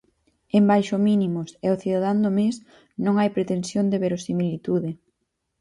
En Baixo mínimos e O cidadán do mes non hai pretensión de verosimilitude.